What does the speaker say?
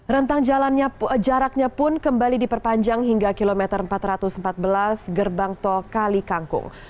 rentang jaraknya pun kembali diperpanjang hingga kilometer empat ratus empat belas gerbang tol kali kangkung